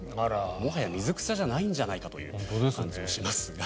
もはや水草じゃないんじゃないかという感じもしますが。